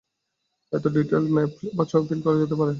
এতে detailed maps ও ছবি প্রিন্ট করা যেতে পারে।